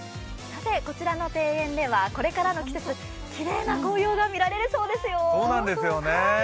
こちらの庭園ではこれからの季節、きれいな紅葉が見られるそうですよ。